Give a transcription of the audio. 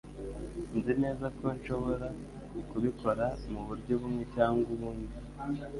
Nzi neza ko nshobora kubikora muburyo bumwe cyangwa ubundi